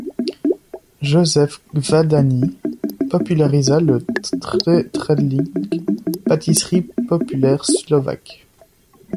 József Gvadányi popularisa le trdelník, pâtisserie populaire slovaque.